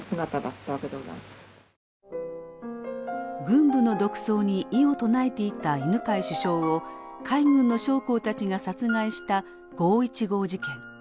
軍部の独走に異を唱えていた犬養首相を海軍の将校たちが殺害した五・一五事件。